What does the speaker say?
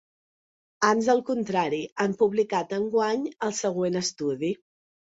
Ans al contrari, han publicat enguany el següent estudi.